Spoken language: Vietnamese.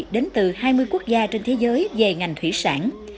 đến từ hai mươi quốc gia trên thế giới về ngành thủy sản